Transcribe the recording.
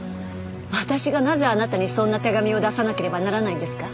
私がなぜあなたにそんな手紙を出さなければならないんですか？